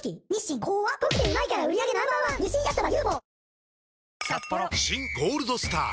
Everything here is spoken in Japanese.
喜んで「新ゴールドスター」！